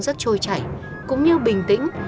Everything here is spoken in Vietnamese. rất trôi chảy cũng như bình tĩnh